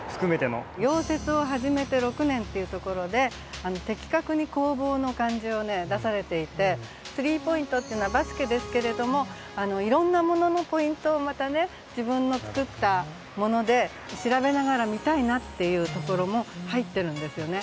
「溶接を始めて六年」っていうところで的確に工房の感じを出されていて「スリーポイント」っていうのはバスケですけれどもいろんなもののポイントをまたね自分の作ったもので調べながら見たいなっていうところも入ってるんですよね。